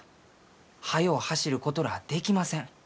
走ることらあできません。